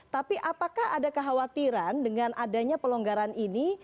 tapi apakah ada kekhawatiran dengan adanya pelonggaran ini